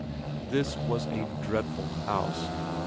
This was a dreadful house.